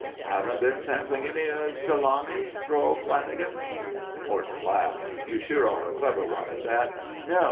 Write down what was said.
"Haven't been sampling any er salami?" drawled Lanagan. Morton laughed. "You sure are a clever one at that. No.